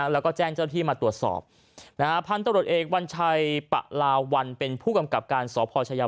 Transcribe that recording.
แล้วก็แจ้งเจ้าที่มาตรวจสอบนะฮะพันตรวจเอกวัญชัยปะลาวัลเป็นผู้กำกับการสพชายา